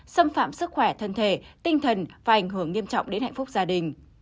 xâm phạm sức khỏe thân thể tinh thần và ảnh hưởng nghiêm trọng đến hạnh phúc gia đình